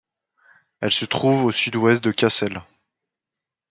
Elle se trouve au sud-ouest de Cassel.